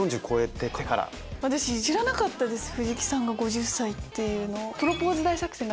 私知らなかったです藤木さんが５０歳っていうのを。